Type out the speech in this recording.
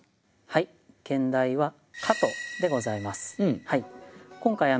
兼題は「蝌蚪」でございます。